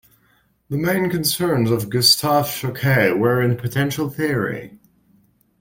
The main concerns of Gustave Choquet were in potential theory.